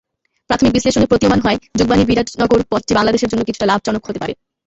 প্রাথমিক বিশ্লেষণে প্রতীয়মান হয়, যুগবাণী-বিরাটনগর পথটি বাংলাদেশের জন্য কিছুটা লাভজনক হতে পারে।